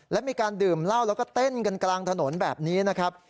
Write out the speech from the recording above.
และมีการดื่มเหล้าแล้วก็เต้นกันกลางถนนแบบนี้นะครับ